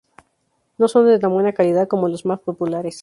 No son de tan buena calidad como las más populares.